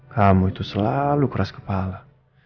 kamu itu selalu keras kepala